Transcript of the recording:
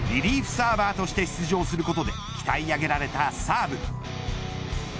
サーバーとして出場することで鍛え上げられたサーブ。